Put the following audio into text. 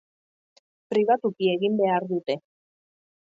Pribatuki egin behar dute.